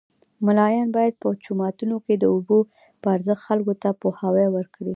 ملان باید په جوماتو کې د اوبو په ارزښت خلکو ته پوهاوی ورکړي